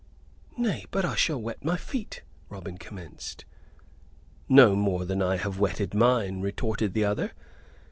"Nay, but I shall wet my feet," Robin commenced. "No more than I have wetted mine," retorted the other.